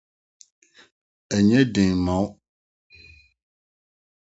Ɛnyɛ den mma wo.